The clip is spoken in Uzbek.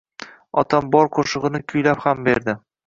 Otam bor qoʻshigʻini kuylab ham berdi.